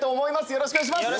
よろしくお願いします。